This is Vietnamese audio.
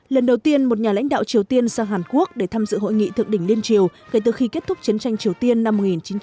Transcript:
lần đầu tiên một nhà lãnh đạo triều tiên sang hàn quốc để tham dự hội nghị thượng đỉnh liên triều kể từ khi kết thúc chiến tranh triều tiên năm một nghìn chín trăm tám mươi